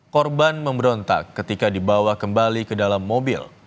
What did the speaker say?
korban memberontak ketika dibawa kembali ke dalam mobil